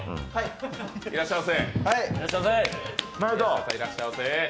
いらっしゃいませー、毎度。